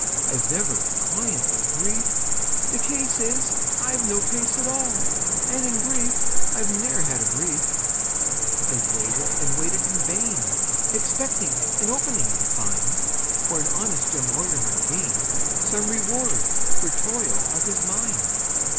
I've never a client but grief: The case is, I've no case at all, And in brief, I've ne'er had a brief! "I've waited and waited in vain, Expecting an 'opening' to find, Where an honest young lawyer might gain Some reward for toil of his mind.